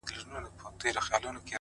• ځكه ځوانان ورانوي ځكه يې زړگي ورانوي؛